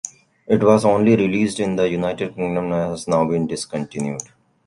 It was only released in the United Kingdom and has now been discontinued.